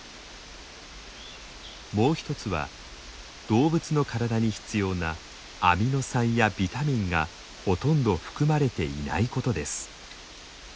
もうひとつは動物の体に必要なアミノ酸やビタミンがほとんど含まれていないことです。